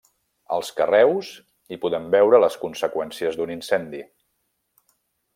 Als carreus hi podem veure les conseqüències d'un incendi.